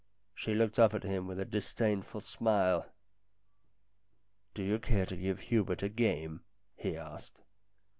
She looked up at him with a disdainful smile. " Do you care to give Hubert a game?" he asked.